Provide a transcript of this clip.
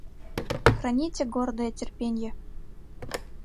Храните гордое терпенье...